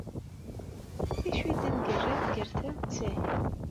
D acu i d amgerrad gar ta d tahi?